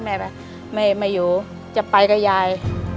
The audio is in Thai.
แผ่นไหนครับ